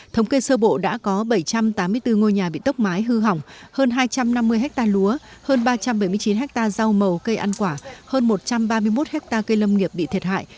thống kê sơ bộ đã có bảy trăm tám mươi bốn ngôi nhà bị tốc mái hư hỏng hơn hai trăm năm mươi ha lúa hơn ba trăm bảy mươi chín ha rau màu cây ăn quả hơn một trăm ba mươi một hectare cây lâm nghiệp bị thiệt hại